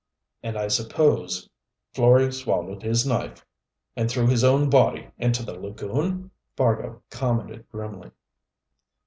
"And I suppose Florey swallowed his knife, and threw his own body into the lagoon!" Fargo commented grimly.